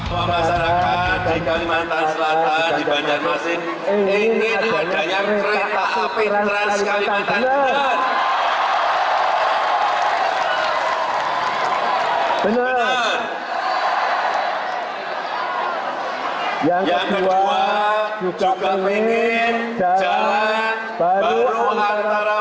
tokoh masyarakat di kalimantan selatan di banjarmasin ingin menjajikan kereta api trans kalimantan